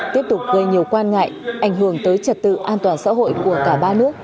tiếp tục gây nhiều quan ngại ảnh hưởng tới trật tự an toàn xã hội của cả ba nước